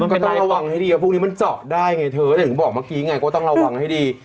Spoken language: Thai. ก็ต้องระวังให้ดีว่าพวกนี้มันเจาะได้ไงเธอถึงบอกเมื่อกี้ไงก็ต้องระวังให้ดี